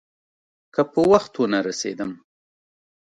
که په وخت ونه رسېدم.